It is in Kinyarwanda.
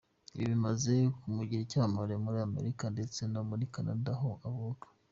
Ibi bimaze kumugira icyamamare muri Amerika ndetse no muri Canada aho avuka.